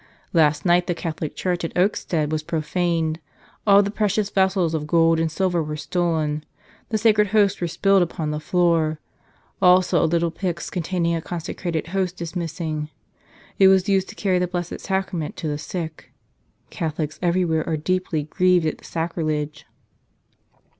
" 'Last night the Catholic church at Oakstead was profaned. All the precious vessels of gold and silver were stolen. The sacred Hosts were spilled upon the floor. Also a little pyx containing a consecrated Host is missing. It was used to carry the Blessed Sacrament to the sick. Catholics everywhere are deeply grieved at the sacrilege.